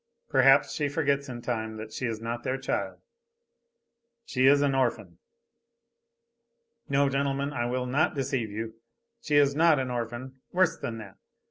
Perhaps she forgets in time that she is not their child. She is an orphan. No, gentlemen, I will not deceive you, she is not an orphan. Worse than that.